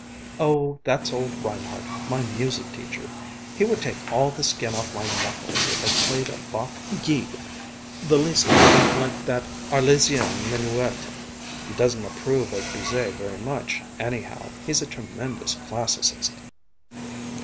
"Oh, that's old Reinhardt, my music teacher. He would take all the skin off my knuckles if I played a Bach gigue the least bit like that Arlésienne Minuet. He doesn't approve of Bizet very much, anyhow. He's a tremendous classicist."